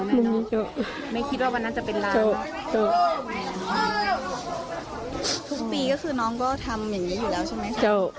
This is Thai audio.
ทุกปีก็คือน้องพ่อทำอย่างงี้อยู่แล้วใช่ไหม